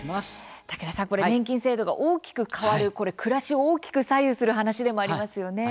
竹田さん、年金制度が大きく変わるこれ、暮らしを大きく左右する話でもありますよね。